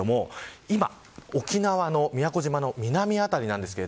今、沖縄の宮古島の南辺りです。